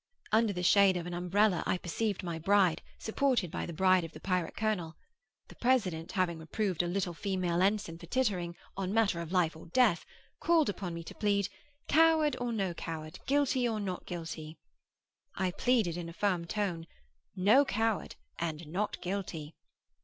Under the shade of an umbrella I perceived my bride, supported by the bride of the pirate colonel. The president, having reproved a little female ensign for tittering, on a matter of life or death, called upon me to plead, 'Coward or no coward, guilty or not guilty?' I pleaded in a firm tone, 'No coward and not guilty.